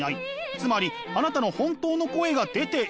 つまりあなたの本当の声が出ていない。